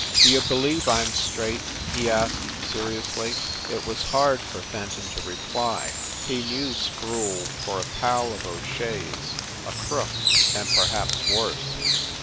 "Do you believe I m straight?" he asked seri ously. It was hard for Fenton to reply. He knew Sproule for a pal of O Shea s, a crook and perhaps worse.